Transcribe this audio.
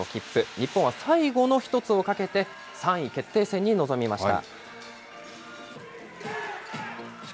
日本は最後の１つをかけて、３位決定戦に臨みました。